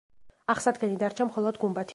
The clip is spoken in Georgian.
აღსადგენი დარჩა მხოლოდ გუმბათი.